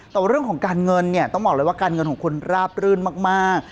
แต่ว่าเรื่องของการเงินเนี่ยต้องบอกเลยว่าการเงินของคุณราบรื่นมาก